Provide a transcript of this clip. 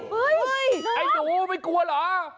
เฮ้ยน้องโด่ไอ้หนูไม่กวนเหรอ